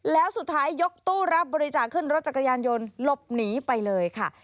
แล้วสุดท้ายยกตู้รับบริจาคขึ้นรถจักรยานยนต์หลบหนีไปเลยค่ะ